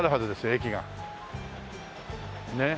駅がねえ。